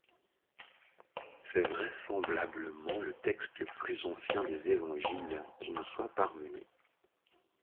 C'est vraisemblablement le texte le plus ancien des évangiles qui nous soit parvenu.